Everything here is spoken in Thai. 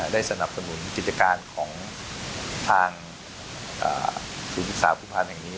ได้สนับสนุนกิจการของทางศูนย์ศึกษาผู้พันธ์แห่งนี้